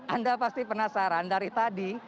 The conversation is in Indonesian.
anda pasti penasaran dari tadi